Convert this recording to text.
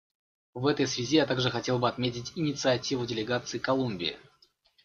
В этой связи я также хотел бы отметить инициативу делегации Колумбии.